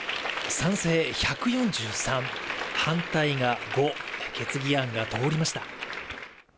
賛成１４３反対が５決議案が通りました